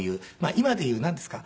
今でいうなんですか？